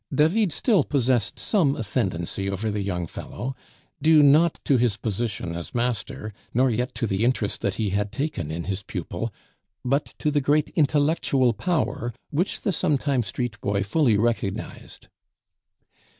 David still possessed some ascendency over the young fellow, due not to his position as master, nor yet to the interest that he had taken in his pupil, but to the great intellectual power which the sometime street boy fully recognized.